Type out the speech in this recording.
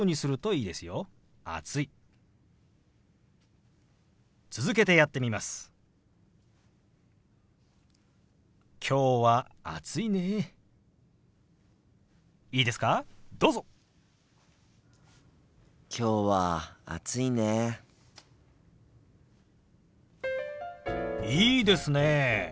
いいですね。